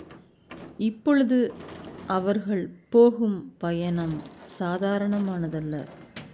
இப்பொழுது அவர்கள் போகும் பயணம் சாதாரணமானதல்ல.